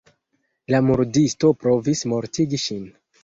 La murdisto provis mortigi ŝin.